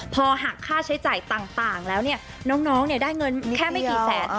พอหักค่าใช้จ่ายต่างแล้วเนี่ยน้องเนี่ยได้เงินแค่ไม่กี่แสน